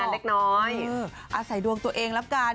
อาศัยดวงตัวเองลับการ